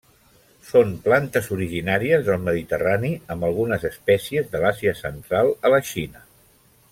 Són plantes originàries del mediterrani amb algunes espècies de l'Àsia central a la Xina.